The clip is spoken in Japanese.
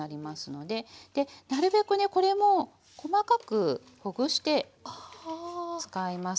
でなるべくねこれも細かくほぐして使います。